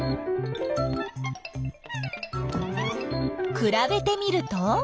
くらべてみると？